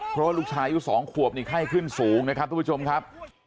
เพราะว่าลูกชายอายุ๒ขวบนี่ไข้ขึ้นสูงนะครับทุกผู้ชมครับ